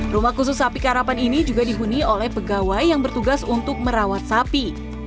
rumah khusus sapi karapan ini juga dihuni oleh pegawai yang bertugas untuk merawat sapi